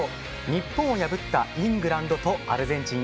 日本を破ったイングランドとアルゼンチン。